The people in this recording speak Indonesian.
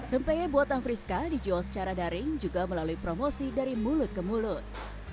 rempeye buatan friska dijual secara daring juga melalui promosi dari mulut ke mulut